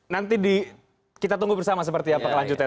nanti kita tunggu bersama seperti apa kelanjutan